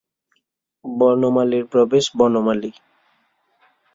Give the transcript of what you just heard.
বনমালীর প্রবেশ বনমালী।